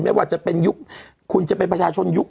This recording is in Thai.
ไม่ว่าจะเป็นยุคคุณจะเป็นประชาชนยุค